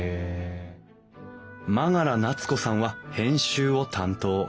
真柄奈津子さんは編集を担当。